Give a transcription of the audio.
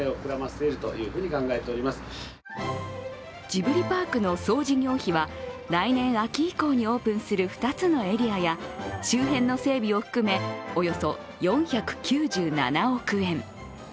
ジブリパークの総事業費は来年秋以降にオープンする２つのエリアや周辺の整備を含め、およそ４９７億円。